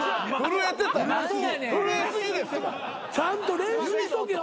ちゃんと練習しとけよ